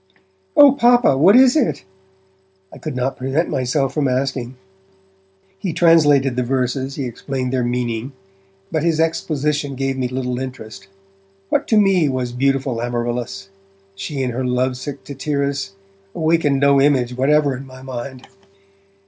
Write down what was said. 'Oh Papa, what is that?' I could not prevent myself from asking. He translated the verses, he explained their meaning, but his exposition gave me little interest. What to me was beautiful Amaryllis? She and her love sick Tityrus awakened no image whatever in my mind.